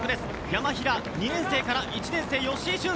山平、２年生から１年生の吉居駿恭へ。